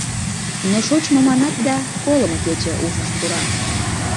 Но шочмо манат да, колымо кече ушыш пура.